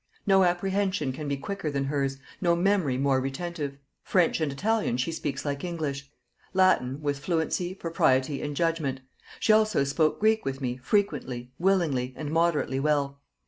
No apprehension can be quicker than her's, no memory more retentive. French and Italian she speaks like English; Latin, with fluency, propriety, and judgement; she also spoke Greek with me, frequently, willingly, and moderately well.